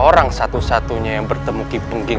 orang satu satunya yang bertemu ki pengging